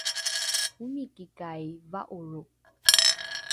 omikikai va’oro?